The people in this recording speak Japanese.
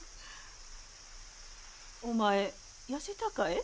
お前やせたかえ。